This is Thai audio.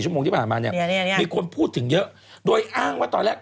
ฉะนั้นคนพบว่าเธอนั่นแหละ